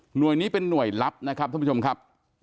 นี้เป็นหน่วยลับนะครับท่านผู้ชมครับ